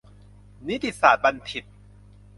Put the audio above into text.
นิติศาสตร์บัณฑิต